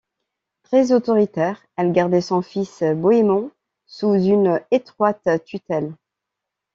Très autoritaire, elle gardait son fils Bohémond sous une étroite tutelle.